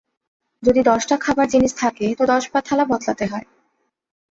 যদি দশটা খাবার জিনিষ থাকে তো দশবার থালা বদলাতে হয়।